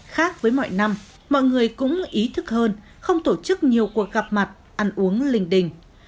khác với mọi năm mọi người cũng ý thức hơn không tổ chức nhiều cuộc gặp mặt ăn uống linh đình